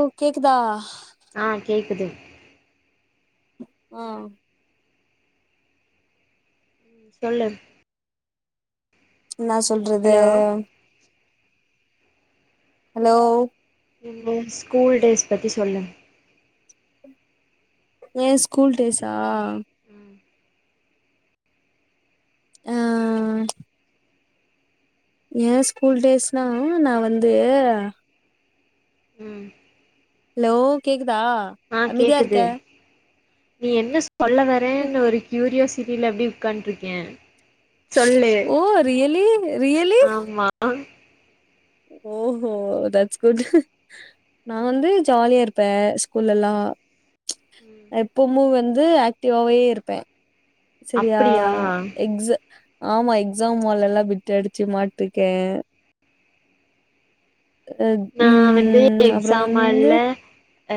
ஓ கேக்குதா ஆ கேக்குது ஆ சொல்லு என்னா சொல்றது ஹலோ ஹலோ ம் ம் ஸ்கூல் டேஸ் பத்தி சொல்லுங்க ஏ ஸ்கூல் டேஸ்சா ம் ஏ ஆ ஆ ஏ ஸ்கூல் டேஸ்னாலு நா வந்து ம் ஹலோ கேக்குதா ஆ அமைதியா இருக்க கேக்குது நீ என்ன சொல்ல வரேன்ற ஒரு க்யூரியாசிட்டில அப்டி உட்கான்ருக்கே சொல்லு ஓ ரியலி ரியலி ஆமா ஓஹோ தட்ஸ் குட் நா வந்து ஜாலியா இருப்பே ஸ்கூல்லெல்லா ம் எப்பமு வந்து ஆக்டிவாவே இருப்பே செரியா அப்டியா எக்ஸு ஆமா எக்ஸாம் ஹால்லல்லா பிட்டு அடிச்சு மாட்ருக்கே நா வந்து ம் அப்றோ எக்ஸாம் வந்து ஹால்ல அ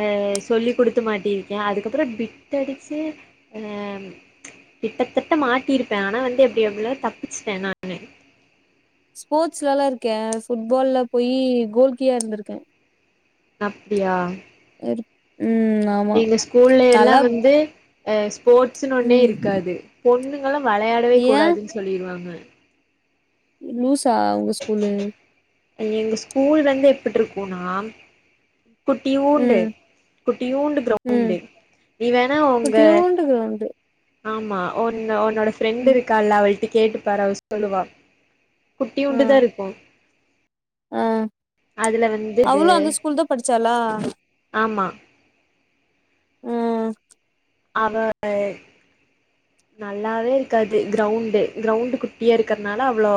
சொல்லி குடுத்து மாட்டியிருக்கே அதுக்கப்றோ பிட்டு அடுச்சு ஆ கிட்டத்தட்ட மாட்டியிருப்பே ஆனா வந்து எப்டி எப்டியோ தப்பிச்சுட்டே நான் ஸ்போர்ட்ஸ்லெல்லா இருக்கே ஃபுட் ஃபால்ல போய் கோல்கீயா இருந்துருக்கே அப்டியா இரு ம் ஆமா எங்க ஸ்கூல் எல்லா நல்லா வந்து அ ஸ்போர்ட்ஸ்னு ஒன்னே ம் இருக்காது பொண்ணுங்கல்லா வெளையாடவே ஏ கூடாதுன்னு சொல்லிருவாங்க லூஸா உங்க ஸ்கூலு இங்க எங்க ஸ்கூல் வந்து எப்புட்ருக்குன்னா குட்டியூண்டு ம் குட்டியூண்டு க்ரௌண்டு நீ வேணா உங்க ன்டு க்ரௌண்டு ஆமா ஒன்னு ஒன்னோட ஃப்ரெண்ட்டு ம் இருக்கால்ல அவள்ட்ட கேட்டுப்பாரு அவ சொல்லுவா ஆ குட்டியூண்டு தா இருக்கு ஆ அதுல வந்து அவளு அந்த ஸ்கூல்தா படிச்சாளா ஆமா ம் அவ எ நல்லாவே இருக்காது க்ரௌண்டு க்ரௌண்டு் குட்டியா இருக்குறதுனால அவ்ளோ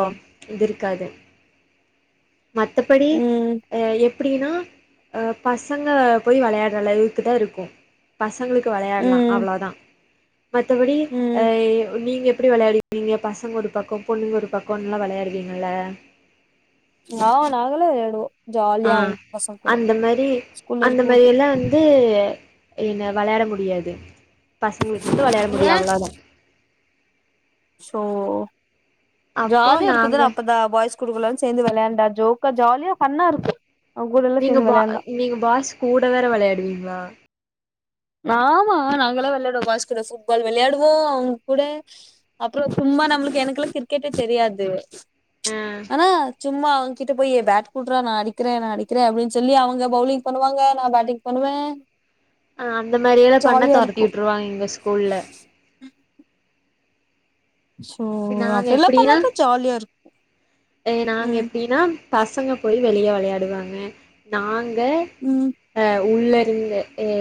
இது இருக்காது மத்தபடி ம் அ எப்டினா அ பசங்க போய் வெளையாட்ற அளவுக்குதா இருக்கு பசங்களுக்கு வெளையாட்லா ம் அவ்ளோதா மத்தபடி அ ம் நீங்க எப்டி வெளையாடி றீங்க பசங்க ஒரு பக்கோ பொண்ணுங்க ஒரு பக்கோன்லா வெளையாடுவீங்கல்ல னோ நாங்களு வெளையாடுவோ ஆ ஜாலியா அவங்க பசங்க கூட அந்த மாரி ஸ்கூல்ல அந்த மாரி இருக்கும்போது எல்லா வந்து இங்க வெளையாட முடியாது பசங்களுக்கு மட்டு வெளையாட ஏ முடியு அவ்ளோதா சோ அப்போ ஜாலியா நாங்க இருக்குதுன்ன அப்பதா பாய்ஸ் குடுக்கலா சேர்ந்து வெளையாண்டா ஜோக்கா ஜாலியா ஃபன்னா இருக்கு அவங்க கூடல்லா நீங்க சேந்து பா வெளையாண்டா நீங்க பாய்ஸ் கூட வேற வெளையாடுவீங்ளா ஆமா நாங்கல்லா வெளையாடுவோ பாய்ஸ் கூட புட் ஃபால் வெளையாடுவோ அவுங்க கூட அப்பறோ சும்மா நம்மளுக்கு எனக்குல்லா கிரிக்கெட்டே தெரியாது ஆ ஆனா சும்மா அவுங்க கிட்ட போயி ஏ பேட் குட்றா நா அடிக்குறே நா அடிக்குறே அப்டின்னு சொல்லி அவுங்க பௌலிங் பண்ணுவாங்க நா பேட்டிங் பண்ணுவே அ அந்த மாரியெல்லாம் பண்ணா ஜாலியா தோரத்தி இருக்கு விட்டுருவாங்க எங்க ஸ்கூல்ல சோ நாங்க அப்டில்லா எப்டின்னா பண்ணாதா ஜாலியா இருக்கு எ நாங்க ம் எப்டின்னா பசங்க போய் வெளியே விளையாடுவாங்க நாங்க உம் அ உள்ள இருந்து ஏ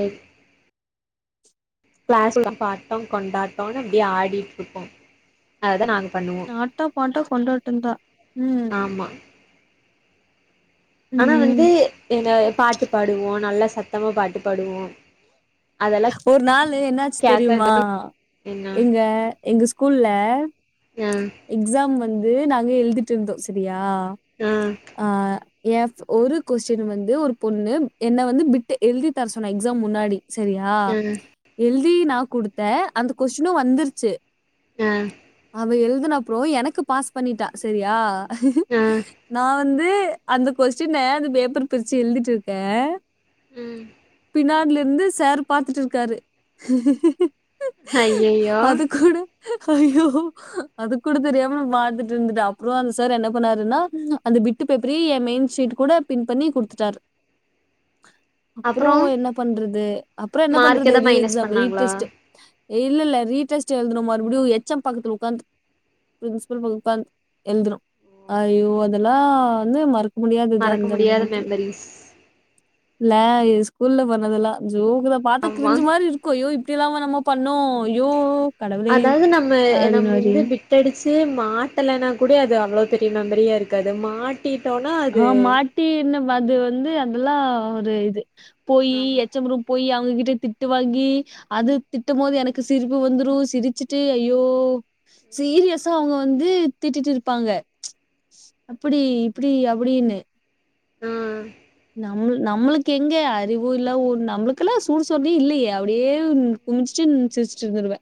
கிளாஸ்ல்ல பாட்டோம் கொண்டாட்டோம்னு அப்டியே ஆடிட்டு இருப்போம் அததான் நாங்க பண்ணுவோம் ஆட்டோ பாட்டோ கொண்டாட்டந்தா ம் ஆமா ஆனா ம் வந்து என்ன பாட்டு பாடுவோ நல்ல சத்தமா பாட்டு பாடுவோ அதெல்லா ஒரு நாளு என்னாச்சு கேக்கறது தெரியுமா என்ன எங்க எங்க ஸ்கூல்ல அ எக்ஸாம் வந்து நாங்க எழுதிட் இருந்தோ சரியா ஆ ஆ ஏ ஒரு கொஸ்டின் வந்து ஒரு பொண்ணு என்ன வந்து பிட்டு எழுதி தர சொன்ன எக்ஸாம் முன்னாடி சரியா அ எழுதி நா குடுத்தே அந்த கொஸ்டினு வந்துருச்சு ஆ அவ எழுதுன அப்றோ எனக்கு பாஸ் பண்ணிட்டா சரியா ஆ நா வந்து அந்த கொஸ்டின அந்த பேப்பர் பிரிச்சி எழுதிட் இருக்கே உம் பின்னாட்ல இருந்து சார் பாத்துட் இருக்காரு ஐயையோ அது கூட ஐயோ அது கூட தெரியாம மாந்துட்டு இருந்துட்டே அப்றோ அந்த சார் என்ன பண்ணாருன்னா அந்த பிட் பிட்டு பேப்பரயு என் மெயின் ஷீட் கூட பின் பண்ணி குடுத்துட்டார் அப்றோ என்ன பண்றது அப்றோ என்ன மார்க் பண்றது எதா ரீ மைனஸ் எக்ஸாம் ரீ பண்ணாங்களா டெஸ்ட் இல்லல்ல ரீடெஸ்ட் எழுதுனோ மறுபடியு எச் எம் பக்கத்துல உக்காந்து பிரின்சபல் பக் உக்காந் எழுதுனோ ஐயோ அதெல்லா வந்து மறக் முடியாதுதா மறக்க அந்த முடியாத மொமண்ட் மெமரிஸ் இல்ல இது ஸ்கூல்ல பண்ணதெல்லா ஜோக்குதா பாத்தா ஆமா கிரிஞ்சு மாரி இருக் ஐயோ இப்டில்லாமா நாம பண்ணோ ஐயோ கடவுளே ஆனாலும் நம்ம நம்ம அப்டின்னு மாரி வந்து பிட் டடிச்சு மாட்டலன்னா கூட அது அவ்ளோ பெரிய மெமரியா இருக்காது மாட் ட்டிட்டோனா ஆ மாட்டி என்ன அது வந்து அதெல்லா ஒரு இது போய் ஆமா எச் எம் ரூம் போய் அவங்ககிட்ட திட்டு வாங்கி அது திட்டும் போது எனக்கு சிரிப்பு வந்துரு சிரிச்சுட்டு ஐயோ சீரியஸா அவங்க வந்து திட்டிட்டு இருப்பாங்க அப்டி இப்டி அப்டின்னு ம் நம்ளு நம்ளுக்கு எங்க அறிவு இல்ல ஒ நம்ளுக்கு கெல்லாம் சூடு சொர்ணயே இல்லயே அப்டியே கும்ச்சுட்டு சிரிச்ஸ்ட்டு வந்துருவே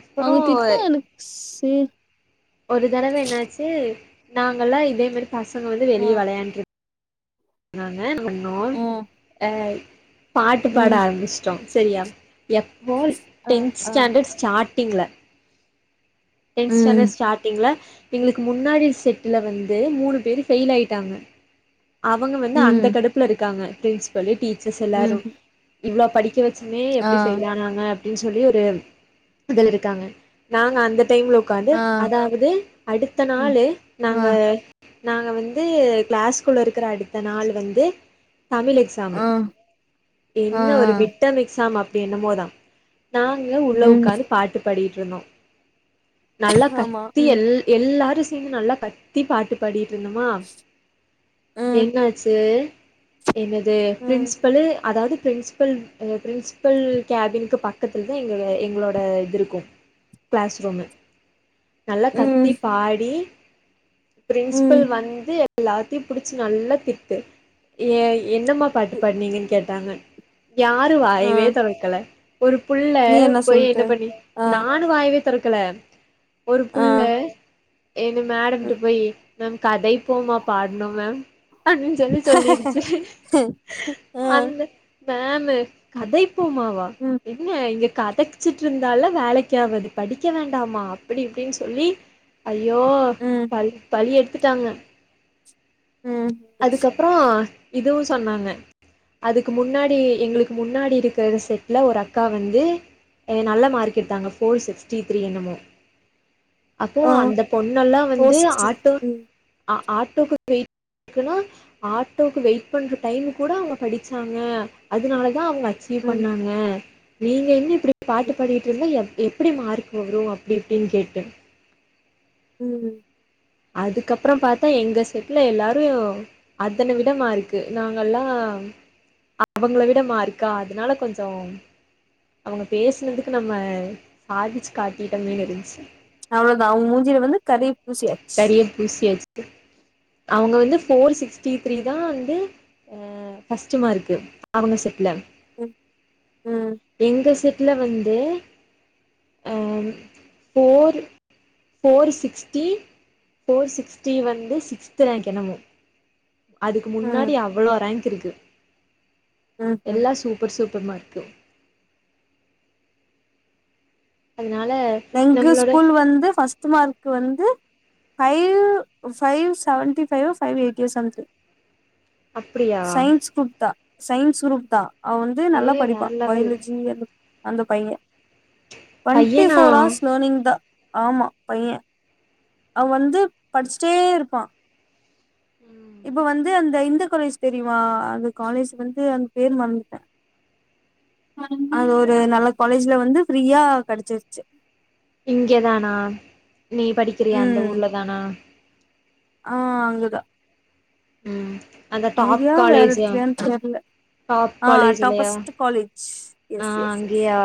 அப்புறோ அவங்க திட்னா எனக்கு சே ஒரு தடவ என்னாச்சு நாங்கல்லா இதே மாரி பசங்க வந்து ஆ, வெளிய வெளயாண்டுருக் நாங்க என்ன பண்ணோம் ஆ, அ பாட்டு பாட ம், ஆரம்பிஸ்டோ சரியா எப்போ ஆ, டென்த் ஆ, ஸ்டாண்டர் ஸ்டாட்டிங்ல டென்த் ஸ்டாண்டர் ம், ஸ்டாட்டிங்ல எங்களுக்கு முன்னாடி செட்டுல வந்து மூணு பேர் ஃபெயில் ஆயிட்டாங்க அவங்க வந்து அந்த ம், கடுப்புல இருக்காங்க பிரின்சிபல் டீச்சர்ஸ் எல்லாரு ம், இவ்ள படிக்க வைக் நீ ஆ, எப்டி ஃபெயில் ஆனாங்க அப்டின் சொல்லி ஒரு இது இருக்காங்க நாங்க அந்த டைம்ல உக்காந்து ஆ, அதாவது அடுத்த ம், நாளே நாங்க ஆ, நாங்க வந்து கிளாஸ்குள்ள இருக்கற அடுத்த நாள் வந்து தமிழ் எக்ஸ் ஸாமு ஆ. ஆ என்ன ஆ ஒரு மிட்டம் எக்ஸாம் அப்டி என்னமோதா நாங்க உள்ள ம் உக்காந்து பாட்டு பாடிட்டு இருந்தோ நல்லா ஆமா கத்தி ம் எல் எல்லாரு சேந்து நல்லா கத்தி பாட்டு பாடிட்டு இருந்தமா ம் என்னாச்சு என்னது ம் பிரின்ஸ்பலு அதாவது பிரின்ஸ்பல் எங்க பிரின்ஸ்பல் கேபினுக்கு பக்கத்துலதா எங்க எங்களோட இது இருக்கு க்ளாஸ் ரூமு நல்லா கத்தி ம் பாடி ம் பிரின்ஸ்பல் வந்து எல்லாத்தையும் புடிச்சு நல்லா திட்டு ஏ என்னம்மா பாட்டு பாடுனீங்கன்னு கேட்டாங்க யாரு ஆ வாய்வே தொரக்கல ஒரு புள்ள நீ போய் சொல்ட்ட என்ன பண்ணி ஆ நா வாயவே தொறக்கல ஒரு ஆ புள்ள எங்க மேடம்ட்ட போய் மேம் கதை போமா பாடனோம் மேம் அப்டின்னு சொல்லி சொல்லிறிச்சு ஆ மேமு கதைப்போமாவா ம் என்ன இங்க கத ச்சுட்டு இருந்தாலா வேலைக்கு ஆவாது படிக்க வேண்டாமா அப்டி இப்டின்னு சொல்லி ஐயோ ம் ப பலி எடுத்துட்டாங்க ம் அதுக்கப் ப்பரோ இதுவு சொன்னாங்க அதுக்கு முன்னாடி எங்களுக்கு முன்னாடி இருக்கிற செட்ல ஒரு அக்கா வந்து நல்ல மார்க் எடுத்தாங்க ஃபோர் சிக்ஸ்டி த்ரீ என்னமோ அப்போ ஆ அந்த பொண்ணல்லாம் ஃபோர் வந்து சிக்ஸ்டி ஆட்டோ த்ரீ ஆ ஆட்டோக்கு வெயிட் ஏனா ஆட்டோக்கு வெயிட் பண்ற டைமு கூட அவங்க படிச்சாங்க அதனாலதா அவங்க அச் சீவ் ம் பண்ணாங்க நீங்க இன்னி இப்டி ம் பாட்டு பாடிட்டு இருந்தா எப் எப்டி மார்க் வரும் அப்டி இப்டின்னு கேட்டு ம் அதுக்கப்பறம் பார்த்தா எங்க செட்ல எல்லாரையும் அதன விட மார்க்கு நாங்கல்லாம் அவங்கள விட மார்க்கா அதனால கொஞ்சோ அவங்க பேசினதுக்கு நம்ம சாதிச்சு காட்டிட்டோமென்னு இருன்ச்சு அவ்ளோதா அவங்க மூஞ்சியில வந்து கறி பூசியா கரிய பூசியாச்சு அவங்க வந்து போர் சிக்ஸ்டி த்ரீ தான் வந்து ம் ஃபர்ஸ்ட் மார்க்கு அவங்க செட்ல ம் ம் எங்க செட்ல வந்து ஆம் four four sixty four sixty வந்து சிக்ஸ்து ராங்கு எனமோ அதுக்கு முன்னாடி ம் அவ்ளோ ரேங்க் இருக்கு ம் ம் எல்லாம் சூப்பர் சூப்பர் மார்க்கு அன்னால எங்க ஸ்கூல் வந்து ஃபர்ஸ்ட் மார்க்கு வந்து ஃபைவ் ஃபைவ் செவன்ட்டி ஃபைவ்வோ ஃபைவ் எயிட்டியோ சம்திங் அப்டியா சைன்ஸ் குரூப்தா சைன்ஸ் குரூப்தா அவ வந்து நல்லா ஏ படிப்பா வேற லெவல் பயலஜி அந்த பைய டுவன்டீஸ் பையனா க்ளர்னிங் தா ஆமா பையன் அவன் வந்து படிச்சிட்டே இருப்பான் ம் இப்ப வந்து அந்த இந்த காலேஜ் தெரியுமா அந்த காலேஜ் வந்து அந்த பேர் மறந்துட்டன் அது ஒரு நல்ல காலேஜ்ல வந்து ஃப்ரீயா கிடச்சிருச்சு இங்கே தானா நீ படிக்கிறிய அந்த ம் ஊர்ல தானா ஆ அங்கதா ம் அந்த டாப் அங்கயா வேற காலேஜா இடத்துலயான்னு தெர்ல பாப் ஆ காலேஜ்யில்லயா டாப்பஸ்ட் காலேஜ் ஆ எஸ் எஸ் எஸ் அங்கயா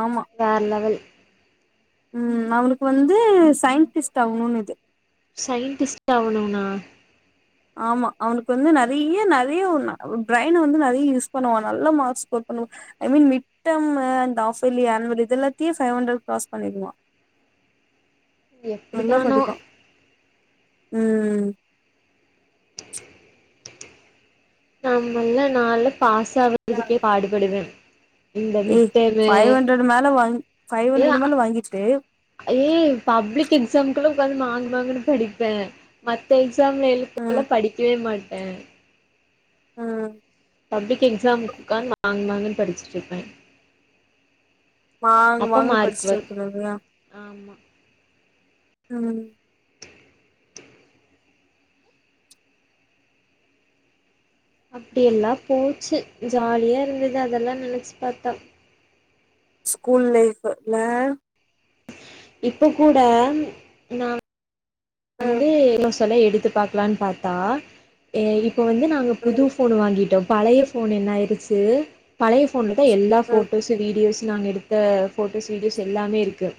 ஆமா வேற லவல் ம் அவனுக்கு வந்து சயின்டிஸ்ட் ஆவனும் இது சயின்டிஸ்ட் ஆவணும்ண்ணா ஆமா அவனுக்கு வந்து நெறய்ய நெறய ஒரு நா பிரைன்ன வந்து நெறய யூஸ் பண்ணுவான் நல்ல மார்க்ஸ் ஸ்கோர் பண்ணு ஐ மின் மிட்ட மு ஆஃபலி ஆன்வல் இதெல்லத்தயும் பைவ் ஹண்ட்ரட் கிராஸ் பண்ணிடுவான் நல்லா எப்டிதானோ படிப்பான் உம் நம்மல்ல நால்ல பாஸ் ஆவுறதுக்கே பாடுபடுவன் ஏய் ஃபைவ் ஹண்ட்ர் மேல வா ஃபைவ் ஹண்டரட் மேல வாங்கிட்டே ஏய் பப்ளிக் எக்ஸாம்குள்ளா உக்காந்து மாங்கு மாங்குனு படிப்பே மத்த எக்ஸாம்ல ம் எழுத்தலாம் படிக்கவே மாட்ட ம் பப்ளிக் எக்ஸாம் உக்கான் மாங்க் மாங்குன் படிச்சிட்ருப்ப மாங்கு அப்ப மாங்குனு மார்க் படிச்சிட்டு வரு இருக்கனு இல்லயா ஆமா உம் அப்பி எல்லா போச்சு ஜாலியா இருந்தது அதெல்லா நெனைச்சி பாத்தா ஸ்கூல் லைஃப் இல்ல இப்போ கூட நா ம் வந்து [unintelligible] எடுத்து பாக்கலான் பாத்தா ஏ இப்ப வந்து நாங்க புது ஃபோன் வாங்கிட்டோ பழைய ஃபோன் என்ன ஆயிடுச்சு பழைய ஃபோன்ல தா எல்லா ம் ஃபோட்டோசு வீடியோஸ் நாங்க எடுத்த ஃபோட்டோஸ் வீடியோஸ் எல்லாமே இருக்கு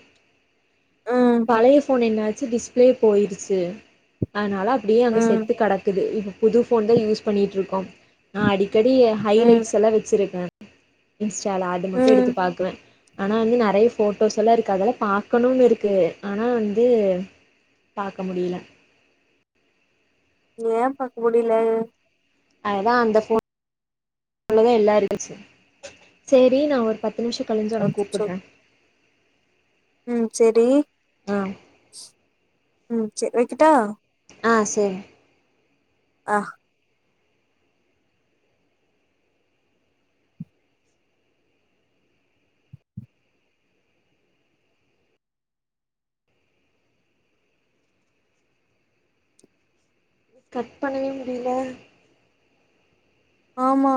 ம் பழைய ஃபோன் என்னாச்சி டிஸ்பிளே போயிருச்சு அனால டியே ம் அங்க ம் செத்து கடக்குது இப்ப புது ஃபோன் தா யூஸ் பண்ணிட்டு இருக்கோ நா அடிக்கடி ம் ஹைலைட்ஸ் எல்லா வச்சிருக்க இன்ஸ்டால அது மட்டு ம் எடுத்து பாக்குவ ஆனா வந்து நெறைய ஃபோட்டோஸ் எல்லா இருக்கு அதெல்லா பாக்கணும் இருக்கு ஆனா வந்து பாக்க முடியில ஏ பாக்க முடில அதா அந்த போ னுதா எல்லா இருன்ச்சு சேரி நா ஒ பத்து நிம்ஷ கழிஞ்சா நா அச்சச்சோ கூப்புட்றே ம் செரி ஆ ம் சேர் வெக்கிட்டா ஆ சேரி ஆ கட் பண்ணவே முடியில ஆமா